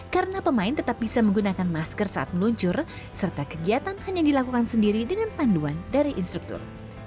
karena pemain tetap bisa menggunakan masker saat meluncur serta kegiatan hanya dilakukan sendiri dengan panduan dari instruktur